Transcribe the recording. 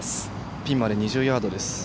ピンまで２０ヤードです。